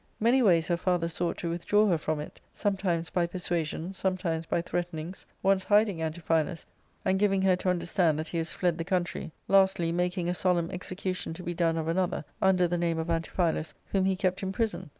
Many ways her father sought to withdraw her from it % sometimes by persuasions, sometimes by threatenings ; once hiding Antiphilus, and giving her to understand that he was fled the country ; lastly, making a solemn execution to be done of another, under the name of Antiphilus, whom he kept in prison.